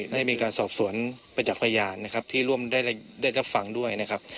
ได้มีการสอบสวนประจักษ์พยานนะครับที่ร่วมได้รับฟังด้วยนะครับ